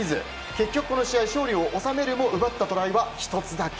結局この試合勝利を収めるも奪ったトライは１つだけ。